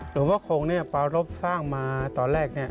หลงพ่อคงนี่พระอรบฝ์สร้างมาตอนแรก